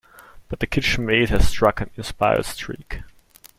But the kitchen maid has struck an inspired streak.